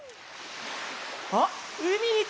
あっうみについたよ！